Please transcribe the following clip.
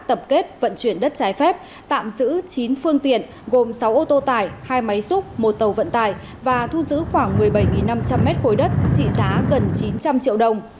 tập kết vận chuyển đất trái phép tạm giữ chín phương tiện gồm sáu ô tô tải hai máy xúc một tàu vận tải và thu giữ khoảng một mươi bảy năm trăm linh mét khối đất trị giá gần chín trăm linh triệu đồng